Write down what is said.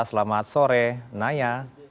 selamat sore naya